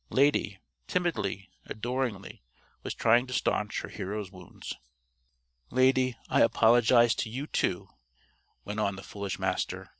Lady timidly, adoringly was trying to stanch her hero's wounds. "Lady, I apologize to you too," went on the foolish Master.